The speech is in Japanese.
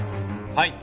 はい！